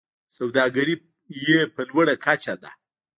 سوداګري یې په لوړه کچه ده.